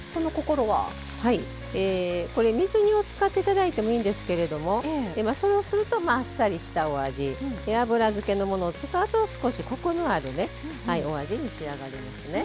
これ水煮を使って頂いてもいいんですけれどもそれをするとあっさりしたお味油漬けのものを使うと少しコクのあるお味に仕上がりますね。